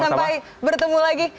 sampai bertemu lagi